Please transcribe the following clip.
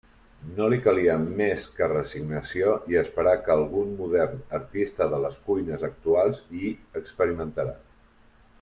No li calia més que resignació i esperar que algun modern artista de les cuines actuals hi experimentara.